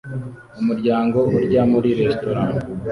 Umuryango urya muri resitora